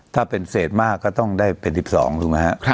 ถ้าเป็นเศษมากก็ต้องได้เป็น๑๒ถูกไหมครับ